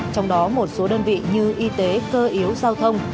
trong đó một số đơn vị như y tế cơ yếu giao thông